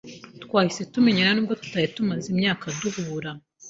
Twahise tumenyana, nubwo tutari tumaze imyaka duhura.